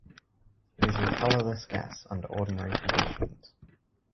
It is a colorless gas under ordinary conditions.